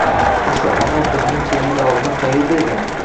O‘sha ona bir necha yil oldin qayerda edi?